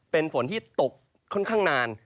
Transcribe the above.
เป็นฝนที่ตกค่อนข้างนาน